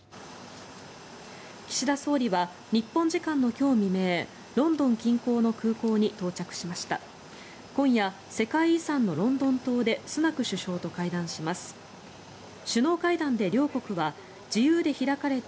岸田総理は日本時間の今日未明ロンドン近郊の空港に到着しました。